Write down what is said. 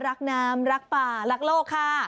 รักน้ำรักป่ารักโลกค่ะ